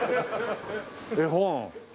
絵本。